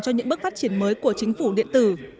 cho những bước phát triển mới của chính phủ điện tử